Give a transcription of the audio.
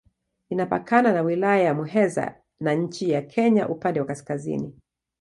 Inapakana na Wilaya ya Muheza na nchi ya Kenya upande wa kaskazini.